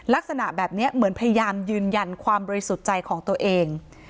ลักษณะแบบนี้เหมือนพยายามยืนยันความบริสุทธิ์ใจของตัวเอง